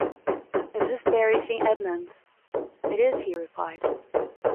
‘Is this Bury St. Edmunds?’ ‘It is,’ he replied.